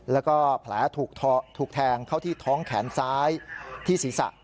แล้วก็แผลถูกแทงเข้าที่ท้องแขนซ้ายที่ศีรษะ